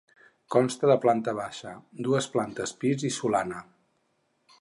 Consta de planta baixa, dues plantes pis i solana.